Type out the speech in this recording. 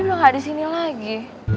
belum gak disini lagi